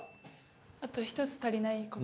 あと１つ足りないこと。